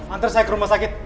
nanti saya ke rumah sakit